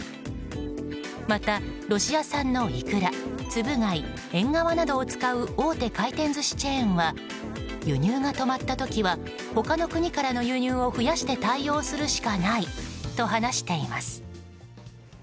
また、ロシア産のイクラツブ貝、エンガワなどを使う大手回転寿司チェーンは輸入が止まった時は他の国からの輸入を増やして対応するしかないと話しています。